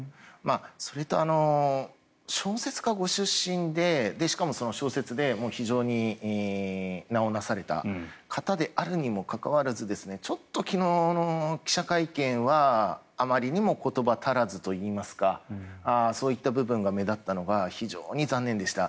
それと、小説家ご出身でしかも、小説で非常に名を成された方であるにもかかわらずちょっと昨日の記者会見はあまりにも言葉足らずといいますかそういった部分が目立ったのが非常に残念でした。